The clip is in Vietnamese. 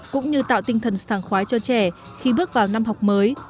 cũng như tạo tinh thần sàng khoái cho trẻ khi bước vào năm học mới